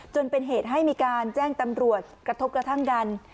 จนเป็นเหตุให้มีการแจ้งตำรวจกระทบกระทั่งกัน